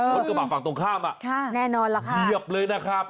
รถกระบะฝั่งตรงข้ามเรียบเลยนะครับ